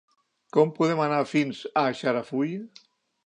Com podem anar fins a Xarafull?